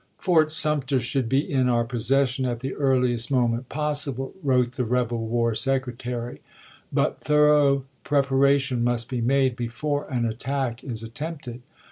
" Fort Sumter should be in our possession at the earliest moment possible," wrote the rebel war secretary, but "thorough preparation must be made before an attack is attempted.